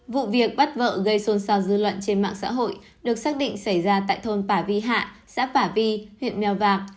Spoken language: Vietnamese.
vụ việc bắt vợ gây xôn xao dư luận trên mạng xã hội được xác định xảy ra tại thôn pả vi hạ xã phả vi huyện mèo vạc